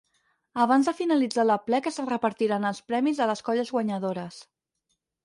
Abans de finalitzar l'aplec es repartiran els premis a les colles guanyadores.